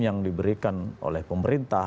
yang diberikan oleh pemerintah